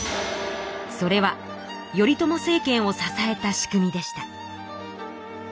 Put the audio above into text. それは頼朝政権を支えた仕組みでした。